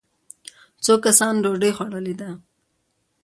څو کسانو ډوډۍ خوړلې ده.